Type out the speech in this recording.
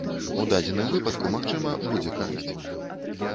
У дадзеным выпадку, магчыма, будзе карысць.